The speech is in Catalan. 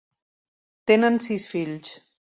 Tenen sis fills.